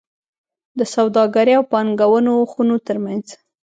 د سوداګرۍ او پانګونو خونو ترمنځ